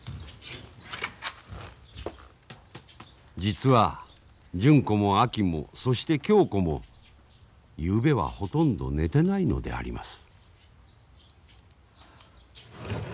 実は純子もあきもそして恭子もゆうべはほとんど寝てないのであります。